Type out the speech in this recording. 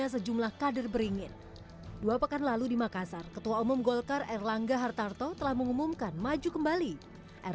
setelah menerima amanah dan aspirasi dari empat ratus pemegang suara di partai golkar